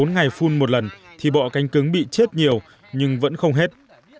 bốn ngày phun một lần thì bọ cánh cứng bị chết nhiều nhưng vẫn không hết